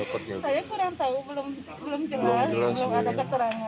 saya kurang tahu belum jelas belum ada keterangan